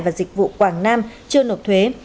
và dịch vụ quảng nam chưa nộp thuế